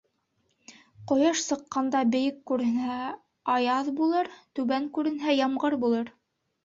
Ҡояш сыҡҡанда бейек күренһә, аяҙ булыр, түбән күренһә, ямғыр булыр.